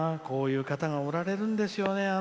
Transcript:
こういう方がおられるんですよね。